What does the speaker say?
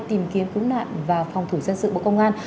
tìm kiếm cứu nạn và phòng thủ dân sự bộ công an